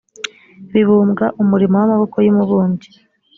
bibumbwa umurimo w amaboko y umubumbyi